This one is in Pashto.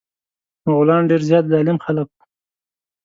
مغولان ډير زيات ظالم خلک وه.